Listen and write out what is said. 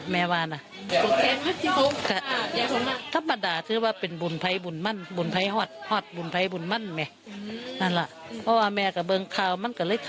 เมาหล่าตีกันนี้ละเขาก็เป็นเสียชีวิตอยู่โรงพยาบาล